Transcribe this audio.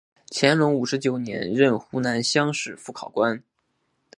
乾隆五十九年任湖南乡试副考官。